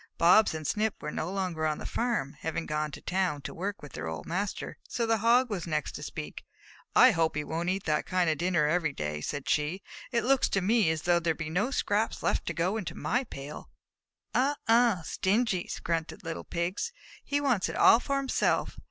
Bobs and Snip were no longer on the farm, having gone to town, to work there with their old master, so the Hog was the next to speak. "I hope he won't eat that kind of dinner every day," said she. "It looks to me as though there would be no scraps left to go into my pail." "Ugh! Ugh! Stingy!" grunted the little Pigs. "He wants it all for himself!"